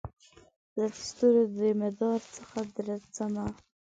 زه دستورو دمدار څخه درځمه